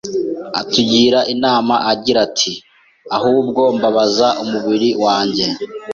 Atugira inama agira ati, “Ahubwo mbabaza umubiri wanjye